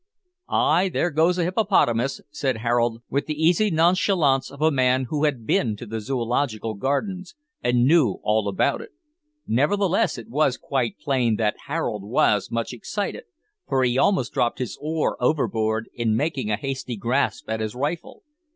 "Ay, there goes a hippopotamus," said Harold, with the easy nonchalance of a man who had been to the Zoological Gardens, and knew all about it. Nevertheless it was quite plain that Harold was much excited, for he almost dropped his oar overboard in making a hasty grasp at his rifle.